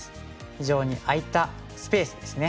非常に空いたスペースですね